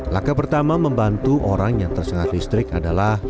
langkah pertama membantu orang yang tersengat listrik adalah